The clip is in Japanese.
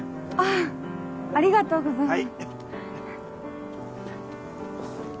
ありがとうございます。